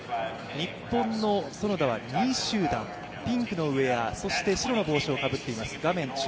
日本の園田はＢ集団、ピンクのウエア、そして白の帽子をかぶっています。